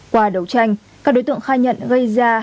qua đấu tranh các lực lượng công an tỉnh quảng bình